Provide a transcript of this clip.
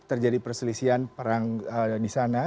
terjadi perselisihan perang di sana